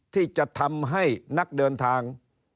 ที่จะทำให้นักเดินทาง